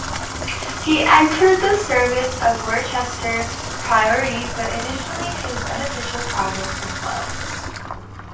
He entered the service of Worcester Priory, but initially his beneficial progress was slow.